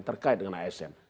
terkait dengan asn